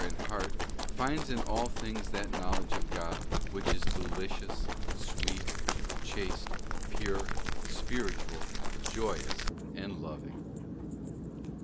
© BOOK in heart, finds in all things that knowledge of God which is delicious, sweet, chaste, pure, spiritual, joyous, and loving.